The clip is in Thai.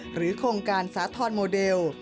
โครงการสาธรณ์โมเดล